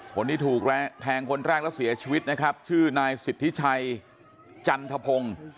คนที่ถูกแทงคนแรกแล้วเสียชีวิตนะครับชื่อนายสิทธิชัยจันทพงศ์